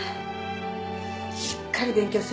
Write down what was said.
しっかり勉強するのよ。